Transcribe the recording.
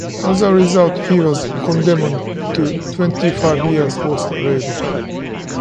As a result, he was condemned to twenty-five years forced labour.